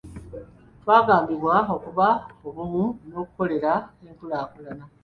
twagambibwa okuba obumu n'okukolerera enkulaakulana.